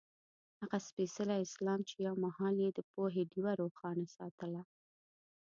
هغه سپېڅلی اسلام چې یو مهال یې د پوهې ډېوه روښانه ساتله.